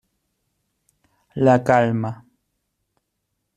La calma.